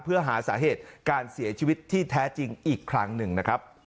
เพื่อหาสาเหตุการเสียชีวิตที่แท้จริงอีกครั้งหนึ่งนะครับ